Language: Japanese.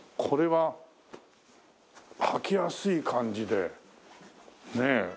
これは履きやすい感じでねえ